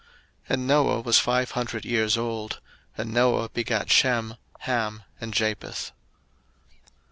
01:005:032 And Noah was five hundred years old: and Noah begat Shem, Ham, and Japheth.